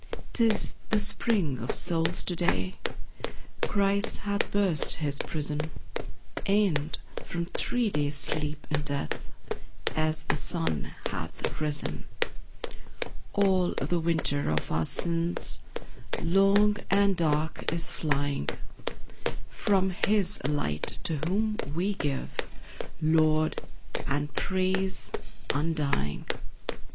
'Tis the spring of souls to day : Christ hath burst His prison ; And, from three days' sleep in death, As a sun hath risen : All the winter of our sins, Long and dark, is flying From His light, to whom we give Laud and praise undying.